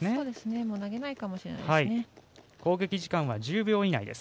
投げないかもしれないです。